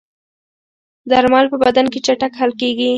درمل په بدن کې چټک حل کېږي.